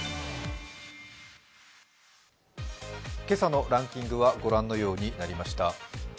今朝のランキングは御覧のようになりました。